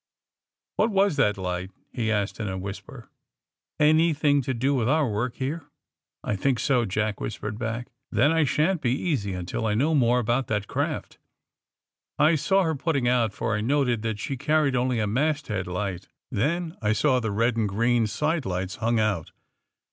^^What was that lights' he asked in a whis per. ^'Anything to do with our work here!" *^I think sOj" Jack whispered back. ^^Then I shan't be easy until I know more about that craft, I saw her putting out, for I noted that she carried only a masthead light. Then I saw the red and green sidelights hung out.